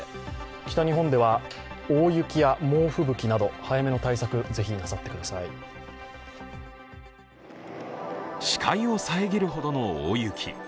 北日本では、大雪や猛吹雪など早めの対策、ぜひなさってください視界を遮るほどの大雪。